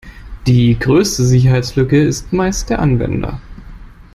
Die größte Sicherheitslücke ist meist der Anwender.